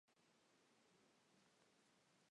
No se conocen subespecies.